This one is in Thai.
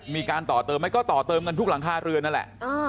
มีการต่อเติมไหมก็ต่อเติมกันทุกหลังคาเรือนนั่นแหละ